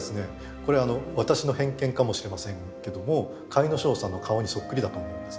これあの私の偏見かもしれませんけども甲斐荘さんの顔にそっくりだと思うんです。